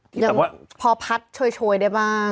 อยู่แบบว่าพอพัดชวยได้บ้าง